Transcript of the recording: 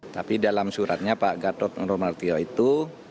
tapi dalam suratnya pak gatot nurmatiyo itu